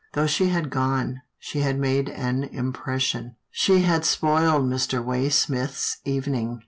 Though she had gone, she had made an impres sion. She had spoiled Mr. Waysmith's evening.